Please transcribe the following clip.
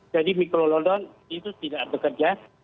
jadi mikrolodon itu tidak bekerja